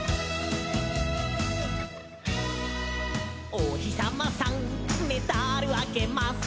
「おひさまさんメダルあげます」